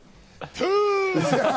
トゥース！